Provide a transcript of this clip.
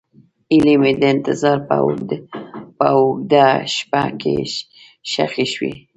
هیلې مې د انتظار په اوږده شپه کې ښخې شوې.